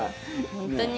本当に？